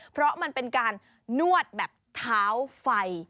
เพราะมันเป็นการนวดแบบเท้าไฟ